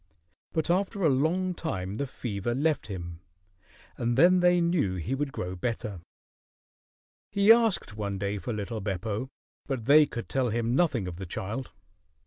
But after a long time the fever left him, and then they knew he would grow better. He asked one day for little Beppo, but they could tell him nothing of the child.